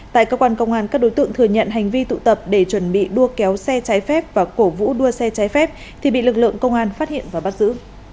tại cơ quan công an các đối tượng thừa nhận hành vi tụ tập để chuẩn bị đua kéo xe trái phép và cổ vũ đua xe trái phép thì bị lực lượng công an phát hiện và bắt giữ